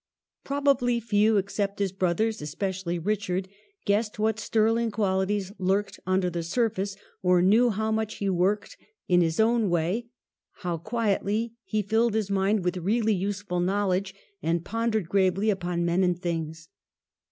Probably few except his brothers, especially Eichard, guessed what sterling qualities lurked under the surface, or knew how much he worked in his own way, how quietly he filled his mind with really useful knowledge, and pondered gravely upon men and things.